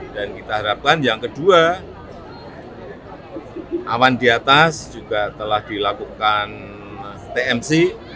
dan kita harapkan yang kedua awan di atas juga telah dilakukan tmc